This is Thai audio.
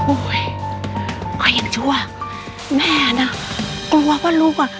อุ้ยก็อย่างชั่วแม่อ่ะนะกลัวว่าลูกอ่ะ